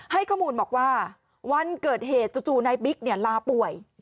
ให้ข้อมูลบอกว่าวันเกิดเหตุจู่นายบิ๊กลาป่วย